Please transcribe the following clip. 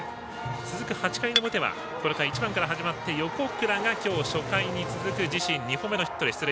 続く８回の表はこの回、１番から始まって横倉が、きょう初回に続く自身２本目のヒットで出塁。